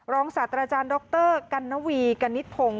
รองศาสตราจารย์ดรกัลนวีกันนิดพงศ์